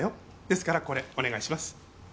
ですからこれお願いします。